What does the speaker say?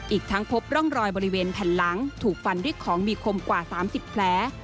อีกทั้งพบร่องรอยบริเวณแผ่นหลังถูกฟันด้วยของมีคมกว่า๓๐แผล